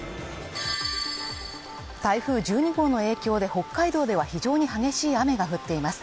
台風１２号の影響で北海道では非常に激しい雨が降っています